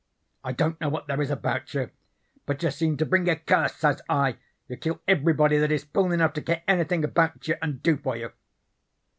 I don't know what there is about you, but you seem to bring a curse,' says I. 'You kill everybody that is fool enough to care anythin' about you and do for you.'